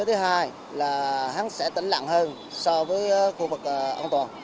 thứ hai là hắn sẽ tỉnh lặng hơn so với khu vực an toàn